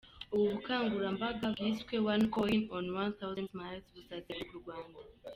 Ubu bukangurambaga bwiswe one coin one thousand Smiles buzazenguruka u Rwanda.